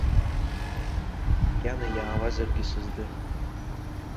Макьана иаауазаргьы сыздыруам.